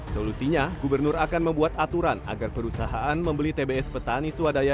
solusinya gubernur akan membuat aturan agar perusahaan membeli tbs petani swadaya